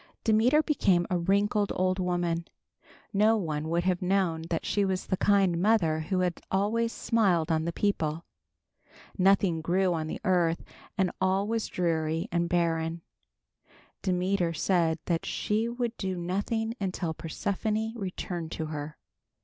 Demeter became a wrinkled old woman. No one would have known that she was the kind mother who had always smiled on the people. Nothing grew on the earth and all was dreary and barren. Demeter said that she would do nothing until Persephone returned to her.